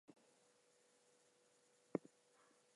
The film received a mixed response from critics.